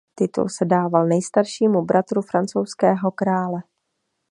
Titul se dával nejstaršímu bratru francouzského krále.